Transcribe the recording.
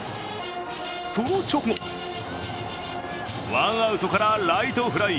その直後、ワンアウトからライトフライ。